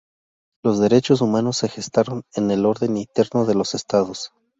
Los derechos humanos se gestaron en el orden interno de los estados.